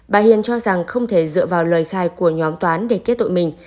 bà hiền cho rằng không thể dựa vào lời khai của nhóm toán để kết tội mình